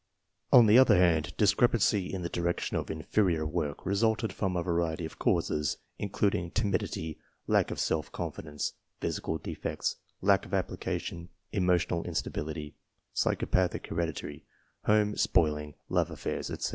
On the other hand, discrepancy in the direction of in ferior work resulted from a variety of causes, including timidity, lack of self confidence, physical defects, lack of application, emotional instability, psychopathic heredity, home " spoiling," love affairs, etc.